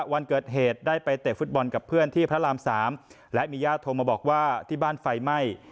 วันเกิดเหตุได้ไปเตะฟุตบอลกับเพื่อนที่พระราม๓และมีญาติโทรมาบอกว่าที่บ้านไฟไหม้